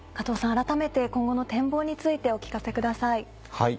改めて今後の展望についてお聞かせください。